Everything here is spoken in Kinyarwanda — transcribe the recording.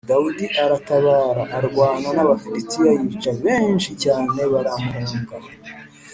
Dawidi aratabara arwana n’Abafilisitiya yica benshi cyane, baramuhunga.